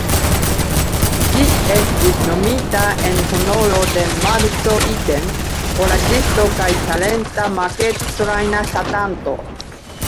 Ĝi estis nomita en honoro de "Marco Iten", oraĵisto kaj talenta makettrajna ŝatanto,